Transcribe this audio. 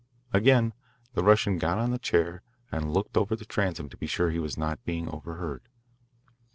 Again the Russian got on the chair and looked over the transom to be sure that he was not being overheard.